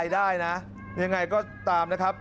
ยังไงก็ตามนะครับ